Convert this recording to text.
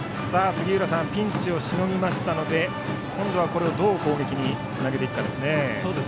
杉浦さんピンチをしのぎましたので今度はこれを、どう攻撃につなげていくかですね。